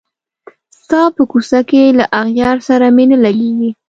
ستا په کوڅه کي له اغیار سره مي نه لګیږي